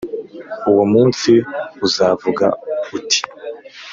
Uwo munsi uzavuga uti